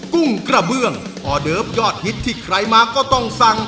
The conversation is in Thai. กุ้งกระเบื้องออเดิฟยอดฮิตที่ใครมาก็ต้องสั่ง